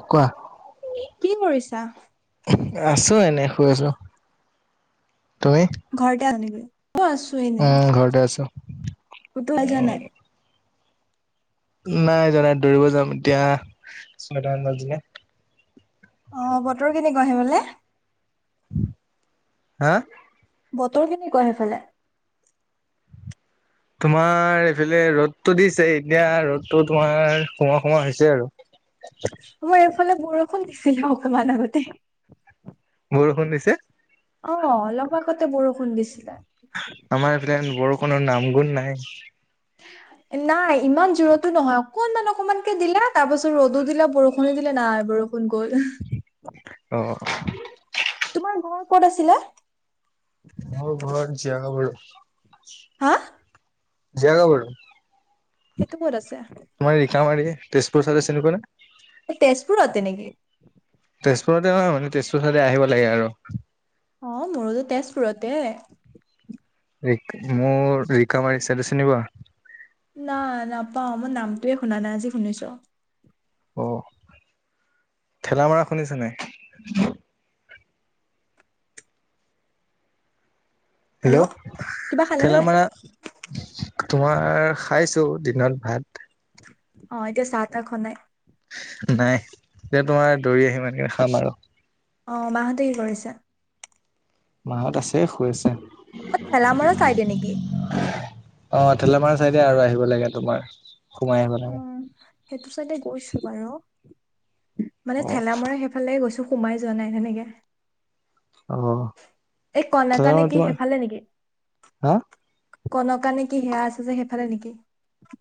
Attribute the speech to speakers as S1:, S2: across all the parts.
S1: কোৱা?
S2: কি কৰিছা?
S1: আছো এনে শুই আছো তুমি?
S2: ঘৰতে আনা নেকি অ, আছো এনে
S1: উম ঘৰতে আছো
S2: কতো ওলায় যোৱা নাই?
S1: নাই জানা দৌৰিব যাম এতিয়া চয়টামান বাজিলে।
S2: অ, বতৰ কেনেকুৱা সেইফালে?
S1: হা?
S2: বতৰ কেনেকুৱা সেইফালে?
S1: তোমাৰ এইফালে ৰ'দটো দিছে এতিয়া ৰ'দটো তোমাৰ সোমোৱা-সোমোৱা হৈছে আৰু।
S2: মই এইফালে বৰষুণ দিছিলে অকমান আগতে।
S1: বৰষুণ দিছে?
S2: অ, অলপ আগতে বৰষুণ দিছিলে।
S1: আমাৰ এইফালে বৰষুণৰ নাম গুণ নাই।
S2: [inaudible] নাই ইমান জোৰতো নহয় অকনমান অকনমানকে দিলে তাৰ পাছত ৰদো দিলে, বৰষুণো দিলে নাই বৰু ষুণ গল
S1: অ
S2: তোমাৰ ঘৰ ক'ত আছিলে?
S1: মোৰ ঘৰত জীয়াগাভৰু
S2: হা?
S1: জীয়াগাভৰু
S2: সেইটো ক'ত আছে?
S1: মই ৰিকামাৰিৰ তেজপুৰ চাইডে চিনি পোৱা নে?
S2: এই তেজপুৰতে নেকি?
S1: তেজপুৰতে নহয় মানে তেজপুৰ চাইডে আহিব লাগে আৰু।
S2: অ মোৰোতো তেজপুৰতে।
S1: ৰি মোৰ ৰিকামাৰি চাইডে চিনি পোৱা?
S2: নাই নাপাও মই নামটোয়ে শুনা নাই আজি শুনিছো।
S1: অ' ঠেলামৰা শুনিছা নাই? হেল্ল
S2: কিবা খালেনে নাই?
S1: ঠেলামাৰা তোমাৰ খাইছো দিনত ভাত
S2: অ এতিয়া চাহ তাহ খোৱা নাই?
S1: নাই এতিয়া তোমাৰ দৌৰি আহিম এনেকে খাম আৰু
S2: অ মাহঁতে কি কৰিছে?
S1: মাঁহত আছে শুই আছে।
S2: অ ঠেলামৰা চাইডে নেকি?
S1: অ ঠেলামৰা চাইডে আৰু আহিব লাগে তোমাৰ সোমাই আহিব
S2: অ
S1: লাগে।
S2: সেইটো চাইডে গৈছো বাৰু মানে
S1: অ
S2: ঠেলামৰা সে ফালে গৈছো সোমাই যোৱা নাই সেনেকে
S1: অ
S2: এই কল এটা নেকি সেইফালে নেকি?
S1: হা
S2: কনকা নে কি সেয়া আছে যে সেইফালে নেকি?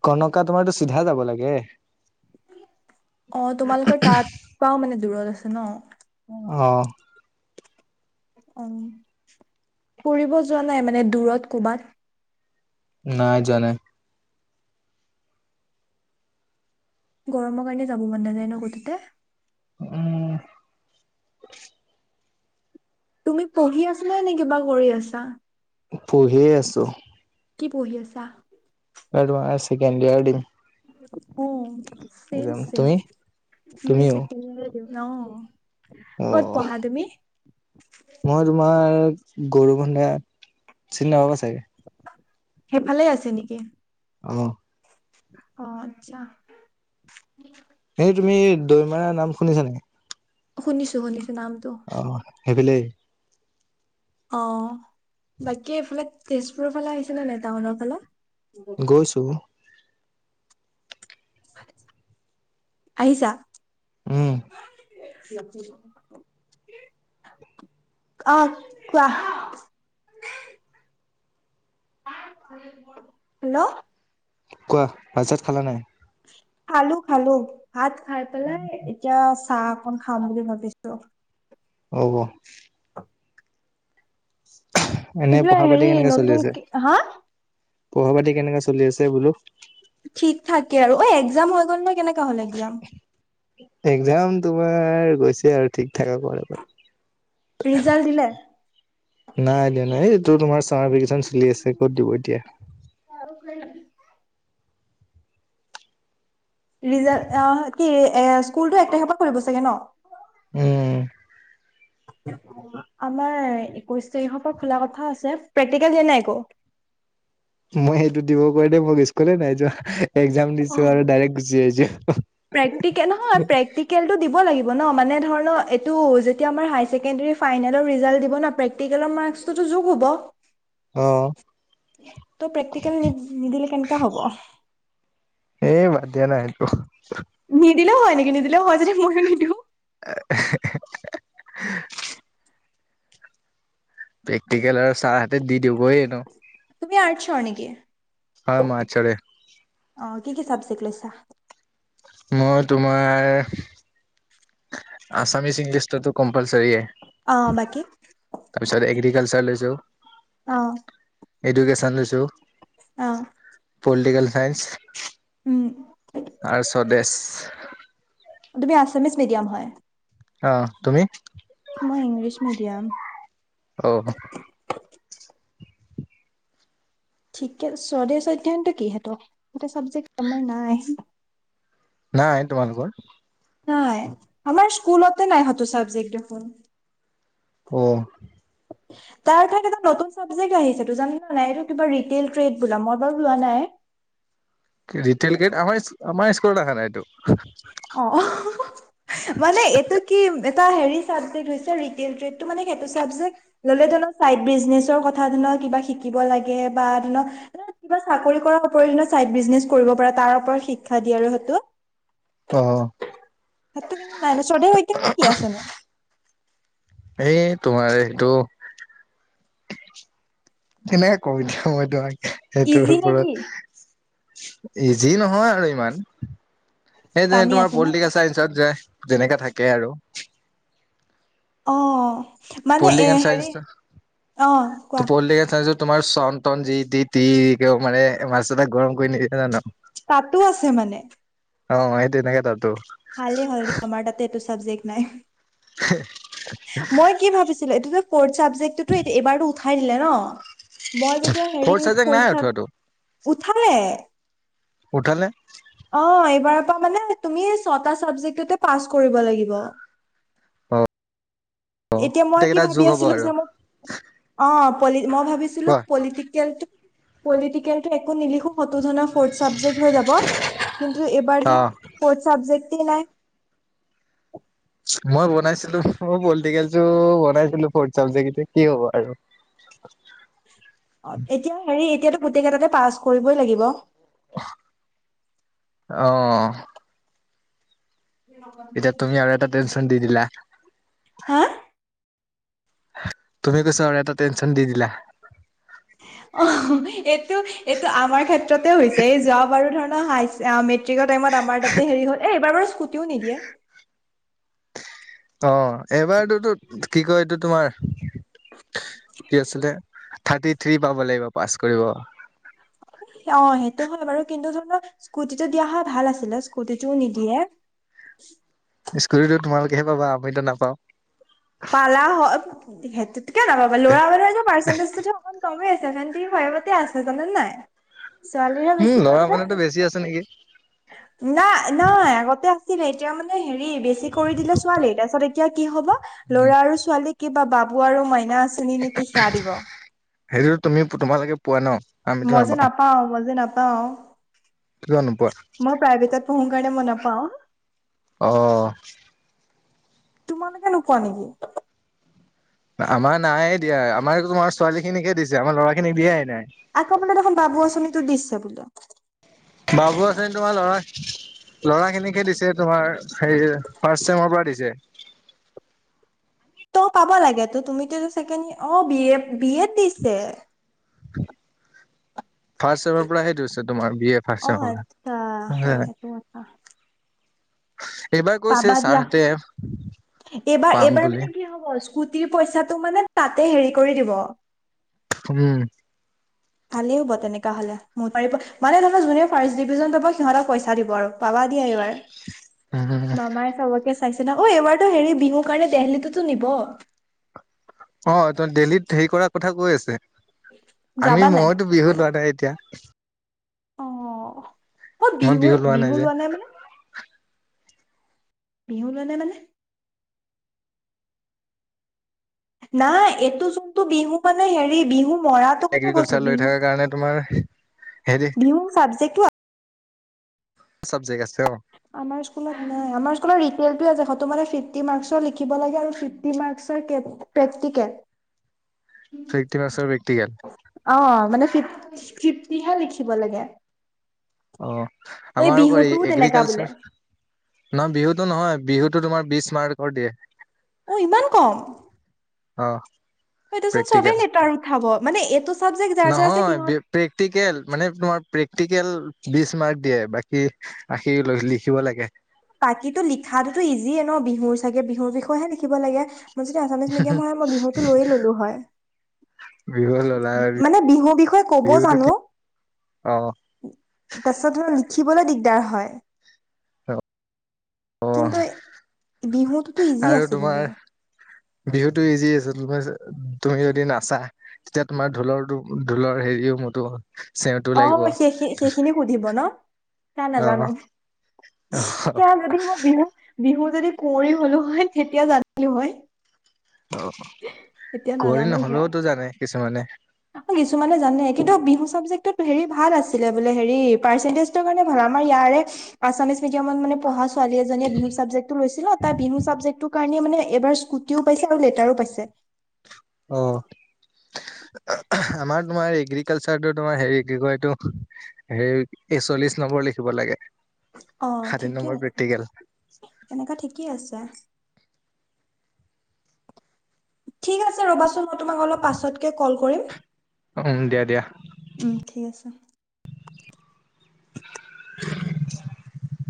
S1: কনকা তোমাৰতো চিধা যাব লাগে।
S2: অ তোমালোকৰ তাৰ পৰাও মানে দূৰত আছে ন?
S1: অ
S2: অ ফুৰিব যোৱা নাই মানে দূৰত কবাত?
S1: নাই যোৱা নাই
S2: গৰমৰ কাৰণে যাব মন নাযায় ন কটোতে
S1: উম
S2: তুমি পঢ়ি আছা নে নে কিবা কৰি আছা?
S1: পঢ়িয়ে আছো।
S2: কি পঢ়ি আছা?
S1: এবাৰ তোমাৰ ছেকেণ্ড ইয়াৰ দিম
S2: অ চেইম
S1: এক্সাম
S2: চেইম
S1: তুমি
S2: ময়ো
S1: তুমিও
S2: ছেকেণ্ড ইয়াৰ দিম অ
S1: অ
S2: ক'ত পঢ়া তুমি?
S1: মই তোমাৰ গৰু বন্ধা চিনি নাপাবা চাগে।
S2: সেইফালে আছে নেকি?
S1: অ
S2: অ আচ্ছা
S1: এই তুমি দৈমাৰাৰ নাম শুনিছা নাই?
S2: শুনিছো শুনিছো নামটো
S1: অ সেইফালেই
S2: অ বাকী এইফালে তেজপুৰৰ ফালে আহিছে নে নাই টাউনৰ ফালে?
S1: গৈছো
S2: আহিছা
S1: উম
S2: অ, কোৱা হেল্ল'
S1: কোৱা, ভাত-চাত খালা নাই?
S2: খালো খালো ভাত খাই পেলাই এতিয়া চাহ অকন খাম বুলি ভাবিছো।
S1: অ'ব
S2: [unintelligible]
S1: এনে
S2: এইফালে
S1: পঢ়া-পাতি
S2: হেৰি
S1: কেনেকে চলি
S2: নতুন
S1: আছে?
S2: কি হা
S1: পঢ়া-পাতি কেনেকা চলি আছে বোলো?
S2: ঠিক-ঠাকে আৰু ঐ একজাম হৈ গ'ল নহয় কেনেকা হ'ল একজাম?
S1: একজাম তোমাৰ গৈছে আৰু ঠিক-ঠাক কৰ আৰু
S2: ৰিজাল্ট দিলে
S1: নাই দিয়া নাই এইটো তোমাৰ চামাৰ ভেকেচন চলি আছে ক'ত দিব এতিয়া
S2: আৰু খাই লম ৰিজাল্ট অ কি এ স্কুলতো এক তাৰিখপা কৰিব চাগে ন?
S1: উম
S2: আমাৰ একৈশ তাৰিখৰ পৰা খোলা কথা আছে, প্ৰেক্টিকেল দিয়া নাই একো?
S1: মই সেইটো দিবৰ ভয়তে মোক স্কুলে নাই যোৱা, একজাম দিছো আৰু ডাইৰেক্ট গুচি আহিছো।
S2: প্ৰেক্টিকে নহয় প্ৰেক্টিকেলটো দিব লাগিব ন মানে ধৰ এইটো যেতিয়া আমাৰ হাইছেকেণ্ডাৰী ফাইনেলৰ ৰিজাল্ট দিব ন, প্ৰেক্টিকেলৰ মাৰ্ক্সটোতো যুগ হব
S1: অ
S2: ত প্ৰেক্টিকেল নি নিদিলে কেনেকা হ'ব
S1: এই বাদ দিয়া না সেইটো
S2: নিদিলেও হয় নেকি, নিদিলেও হয় যদি ময়ো নিদিও
S1: আহ এহে এহে হা হা প্ৰেক্টিকেল আৰু চাৰহতে দি দিবই এনো
S2: তুমি আৰ্টছৰ নেকি?
S1: হয় মাৰ্চৰে
S2: অ, কি কি চাবজেক্ট লৈছা?
S1: মই তোমাৰ আছামিছ, ইংলেছটোতো কম্পালছৰিয়ে
S2: অ বাকী
S1: তা পিছত এগ্ৰিকালচাৰ লৈছো
S2: অ
S1: এডুকেশ্যন লৈছো
S2: অ
S1: পলিটিকেল চাইন্স
S2: উম
S1: আৰু স্বদেশ
S2: তুমি আছামিছ মিডিয়াম হয়
S1: অ, তুমি
S2: মই ইংলিছ মিডিয়াম
S1: অ
S2: ঠিকে স্বদেশ অধ্যয়নতো কি সেটো, সেটো চাবজেক্ট আমাৰ নাই
S1: নাই তোমালোকৰ
S2: নাই আমাৰ স্কুলতে নাই সেটো চাবজেক্ট দেখোন
S1: অ
S2: [unintelligible] তাৰ ঠাইত এটা নতুন চাবজেক্ট আহিছেতো জানিলা নাই, এইটো কিবা ৰিটেইল ট্ৰেড বোলে মই বাৰু লোৱা নাই
S1: ৰিটেইল গেট আমাৰ আমাৰ স্কুলত অহা নাইতো
S2: অহ হহ হু মানে এইটো কি এটা হেৰি চাবজেক্ট হৈছে ৰিটেইন ট্ৰেডটো মানে সেইটো চাবজেক্ট ললে ধৰি লক চাইড বিজনেছৰ কথা ধৰি লক কিবা শিকিব লাগে বা ধৰি লওক কিবা চাকৰি কৰাৰ উপৰি মানে চাইড বিজনেছ কৰিব পাৰে তাৰ ওপৰত শিক্ষা দিয়ে আৰু সেইটো
S1: অহ
S2: তাতটো কিন্তু নাই নচৰ দেই এতিয়ানো কি আছেনো
S1: সেই তোমাৰ এইটো কেনেকে কও এতিয়া মই তোমাক? সেইটোৰ
S2: ইজি নে কি
S1: ওপৰত ইজি নহয় আৰু ইমান। সেইটোৱে
S2: টানেই
S1: তোমাৰ
S2: আছে ন
S1: পলিটিকেল চাইন্সত যে যেনেকাে থাকে আৰু।
S2: অ', মানে এ
S1: পলিটিকেল চাইন্স
S2: হেৰি অ কোৱা
S1: তোৰ পলিটিকেল চাইন্স তোমাৰ চন তন যি তি-তি একেবাৰ মানে মাথা চাথা গৰম কৰি নিদিয়ে জানো
S2: তাতো আছে মানে।
S1: অহ, এইতো এনেকে তাতো
S2: ভালেই হল দিয়া আমাৰ তাতে এইটো চাবজেক্ট নাই মই কি ভাবিছিলে এইটো ফ্ৰোট চাবজেক্টতো এইবাৰো উঠাই দিলে ন। মই যেতিয়া হেৰি
S1: ফৰ্থ চাবজেক্ট নাই
S2: ফ্ৰোট
S1: উঠোৱাটো
S2: উঠালে
S1: উঠালে
S2: অহ, এইবাৰৰ পৰা মানে তুমি ছটা চাবজেক্ট তে পাছ কৰিব লাগিব।
S1: অ'
S2: এতিয়া মই
S1: গোটেইকেইটা
S2: কি
S1: যোগ
S2: ভাবি
S1: হ'ব
S2: আছিলো
S1: আৰু
S2: যে মোক অহ, পলি মই ভাবিছিলো
S1: কোৱা
S2: পলিটিকেল পলিটিকেলটো একো নিলিখো। সৌতো জনৰফৰ্থ চাবজেক্ট হৈ যাব কিন্তু এইবাৰ
S1: অ'
S2: ফৰ্থ চাবজেক্ট নাই।
S1: মই বনাইছিলো মই পলিটিকেতো বনাইছিলো ফৰ্থ চাবজেক্ট কি হ'ব আৰু।
S2: অহ, এতিয়া হেৰি এতিয়াতো গোটেইকেইটা তাতে পাছ কৰিবই লাগিব।
S1: অহ',
S2: নহব।
S1: এতিয়া তুমি আৰু এটা টেনচন দি দিলা।
S2: হা?
S1: তুমি কৈছা আৰু এটা টেনচন দি দিলা।
S2: অহ, এইটো এইটো আমাৰ ক্ষেত্ৰতে হৈছে এই যোৱা বাৰু ধৰণৰ হায়াৰ অহ, মেট্ৰিক মেট্ৰিক টাইমত আমাৰ তাতে হেৰি এইবাৰ স্কুটিও নিদিয়ে।
S1: অহ, এইবাৰতো কি কয় এইটো তোমাৰ কি আছিলে। থাৰ্টি থ্ৰী পাব লাগিব পাছ কৰিব।
S2: অহ, সেইটো হয় বাৰু কিন্তু ধৰক স্কুটিটো দিয়া হয় ভাল আছিলে স্কুটি টোও নিদিয়ে।
S1: স্কুৰিটো তোমালোকেহে পাবা আমিতো নাপাও।
S2: পালা হয় সেইটোত কিয় নাপাবা ল'ৰা বোৰ পাৰ্চেণ্টেজ অকমান কমেই আছে কাৰণ ছেভেণ্টি ফাইভতে আছে জানা নাই। ছোৱালী হে
S1: উম,
S2: বেছি
S1: ল'ৰা
S2: কৰিবা।
S1: মানুহতো বেছি আছে নেকি?
S2: নাই-নাই আগতে আছিলে এতিয়া মানে হেৰি বেছি কৰি দিলে ছোৱালী তাৰপিছত এতিয়া কি হব ল'ৰা আৰু ছোৱালী কিবা বাবু আৰু মাইনা আচনি নেকি সেয়া দিব।
S1: সেইটোতো তুমি তোমালোকে পোৱা ন। আমিতো
S2: মই যে
S1: নাপাওঁ
S2: নাপাও-মই যে নাপাও।
S1: কিয় নোপোৱা?
S2: মই প্ৰাইভেটত পঢ়ো কাৰণে মই নাপাও।
S1: অহ',
S2: তোমালোকে নোপোৱা নেকি?
S1: আমাৰ নাই দিয়া আমাৰো তোমাৰ ছোৱালী খিনিকে দিছে আমাৰ ল'ৰা খিনিক দিয়াই নাই।
S2: আকৌ বোলে দেখোন বাবু আঁচনিটো দিছে বোলে।
S1: বাবু আঁচনি তোমাৰ ল'ৰা ল'ৰা খিনিকহে দিছে তোমাৰ হেৰি ফাৰ্ষ্ট ছেমৰ পৰা দিছে।
S2: ত পাব লাগেতো তুমিতো ছেকেণ্ড অ বিএ-বি এত দিছে।
S1: [inaudible] ফাৰ্ষ্ট ছেমৰ পৰা সেইটো হৈছে তোমাৰ বি এ
S2: অ
S1: ফাৰ্ষ্ট
S2: আচ্ছা
S1: পৰা
S2: সেইটো কথা
S1: এইবাৰ কৈছে
S2: পাবা দিয়া
S1: ছাৰহঁতে পাম
S2: এইবাৰ-এইবাৰ
S1: বুলি
S2: মানে কি হব স্কুটিৰ পইচাটো মানে তাতে হেৰি কৰি দিব।
S1: উম,
S2: ভালেই হ'ব তেনেককা হলে মাৰিব মানে ধৰ যোনে ফাৰ্ষ্ট ডিভিজন লব সিহঁতক পইচা দিব আৰু। পাব দিয়া এইবাৰ।
S1: উম,
S2: মামাই চবকে চাইছে ন, অ', এইবাৰতো হেৰি বিহুৰ কাৰণে দেলহিটোতো নিব।
S1: অ', ত দেল্লীত হেৰি কৰা কথা কৈ আছে, আমি
S2: যাবা নাই
S1: মইতো বিহু লোৱা নাই এতিয়া।
S2: অ', মই বিহু- বিহু লোৱা নাই মানে। বিহু লোৱা নাই মানে। নাই এইটো যোনটো বিহু মানে হেৰি বিহু মৰাত [unintelligible] কথা
S1: এগ্ৰিকালচাৰ
S2: কৈছো
S1: লৈ
S2: বিহু-
S1: থকাৰ কাৰণে তোমাৰ হেৰি
S2: বিহু চাবজেক্টো
S1: চাবজেক্ট আছে অ'।
S2: আমাৰ স্কুলত নাই, আমাৰ স্কুলত [unintelligible] সেইটো মানে ফিফটি মাৰ্ক্সৰ লিখিব লাগে আৰু ফিফটি ফিফটি মাৰ্ক্সৰ কে প্ৰেক্টিকেল।
S1: ফিফটি মাৰ্ক্সৰ প্ৰেক্টিকেল।
S2: অ', মানে ফিফ ফিফটি হে লিখিব লাগে।
S1: অ',
S2: এই
S1: আমাৰ আকৌ এ
S2: বিহুটোও তেনেকা বোলে
S1: এগ্ৰিকালচাৰ। নহয় বিহুতো নহয়, বিহুতো তোমাৰ বিছ মাৰ্কৰ দিয়ে।
S2: অ', ইমান কম।
S1: অ'।
S2: সেইটো চোন চবেই
S1: প্ৰেক্টিকেল
S2: লেতাৰ উঠাব, মানে এইটো চাবজেক্ট যাৰ যাৰ আছে
S1: নহয়
S2: সিহঁত
S1: প্ৰে প্ৰেক্টিকেল মানে তোমাৰ প্ৰেক্টিকেল বিছ মাৰ্ক দিয়ে বাকী আশী ল লিখিব লাগে।
S2: বাকীটো লিখাতোতো ইজিয়ে ন, বিহুৰ চাগে বিহুৰ বিষয়েহে লিখিব লাগে। মই যদি আছামিজ মিডিয়ামৰ হয় মই বিহুটো লৈয়ে ল'লো হয়।
S1: বিহু ললা
S2: মানে বিহুৰ বিষয়ে ক'ব
S1: বিহুটো কি
S2: জানো।
S1: অ
S2: তাৰপিছত হয় লিখিবলৈ দিগদাৰ হয়।
S1: [unintelligible] অ
S2: কিন্তু এই বিহুতোতো ইজি
S1: আৰু
S2: আছে কিন্তু।
S1: তোমাৰ বিহুটো ইজি আছে, তোমাৰ যে তুমি যদি নাচা। তেতিয়া তোমাৰ ঢোলৰটো ঢোলৰ হেৰিও [unintelligible] চেওটো
S2: অ',
S1: লাগিব
S2: মই সেই-সেই সেইখিনিও সুধিব ন, নাই নাজানো
S1: অ
S2: [unintelligible] যদি মোক বিহু বিহু যদি কুঁৱৰী হ'লো হয়, তেতিয়া জানিলো হয়।
S1: অ',
S2: এতিয়া
S1: অ', কুঁৱৰী
S2: নাজানো সেয়া
S1: নহ'লেওতো জানে কিছুমানে।
S2: কিছুমানে জানে কিন্তু বিহু চাবজেক্টটোত হেৰি ভাল আছিলে বোলে হেৰি পাৰ্চেন্তেচ [unintelligible] মানে ভাল মানে আমাৰ ইয়াৰে আছামিজ মেডিয়ামত মানে পঢ়া ছোৱালী এজনীয়ে বিহু চাবজেক্টো লৈছিলে, তাই বিহু চাবজেক্টটোৰ কাৰণেই মানে এইবাৰ স্কু স্কুটিও পাইছে আৰু লেটাৰো পাইছে।
S1: অ'। [unintelligible] আমাৰ তোমাৰ এগ্ৰিকালচাৰটো তোমাৰ হেৰি কি কয় এইটো হেই এই এইচল্লিশ নম্বৰ লিখিব লাগে, ষাঠি নম্বৰ প্ৰেক্টিকেল।
S2: এনেকা ঠিকেই আছে। ঠিক আছে ৰ'বাচোন মই তোমাক অলপ পাছতকে কল কৰিম।
S1: উম, দিয়া- দিয়া।
S2: উম, ঠিক আছে।
S1: [inaudible]